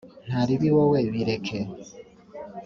ntaribi wowe bireke